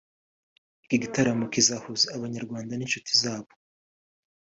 Iki gitaramo kizahuza abanyarwanda n’inshuti zabo